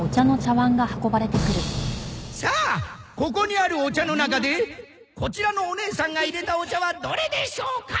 さあここにあるお茶の中でこちらのお姉さんが淹れたお茶はどれでしょうか？